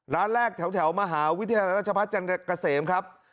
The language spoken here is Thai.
ร้านแรกแถวมหาวิทยาลัยราชภาษณ์กระเสมครับ